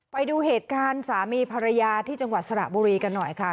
ไปดูเหตุการณ์สามีภรรยาที่จังหวัดสระบุรีกันหน่อยค่ะ